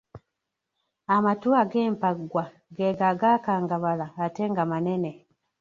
Amatu ag’empaggwa g’ego agaakangabala ate nga manene.